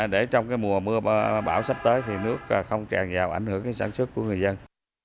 để trong mùa mưa bão sắp tới nước không tràn vào ảnh hưởng sản xuất của người dân